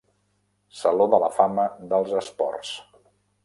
Saló de la fama dels esports.